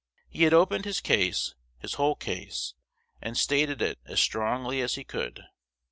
He had opened his case, his whole case, and stated it as strongly as he could.